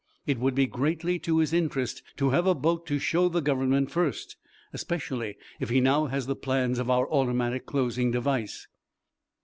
It would be greatly to his interest to have a boat to show the Government first, especially if he now has the plans of our automatic closing device."